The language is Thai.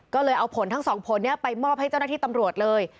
ก็เลยเอาผลทั้งสองผลไปมอบให้เจ้าหน้าที่ตำรวจเลย